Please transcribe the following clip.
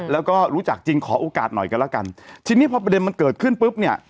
แล้วก็รู้จักจริงขอโอกาสหน่อยกันแล้วกันทีนี้พอประเด็นมันเกิดขึ้นปุ๊บเนี่ย